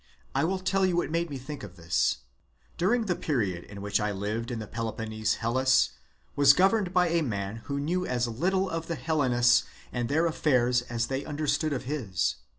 I will tell you what _ made me think of this, During the period in which 'I lived in the Peloponnese Hellas was governed bya man who knew as little of the Hellenes and their _affairs as they understood of his.